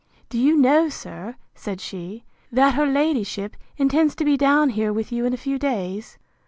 Do you know, sir, said she, that her ladyship intends to be down here with you in a few days?